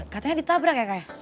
katanya ditabrak ya kak